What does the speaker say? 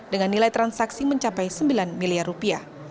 dengan nilai transaksi mencapai sembilan miliar rupiah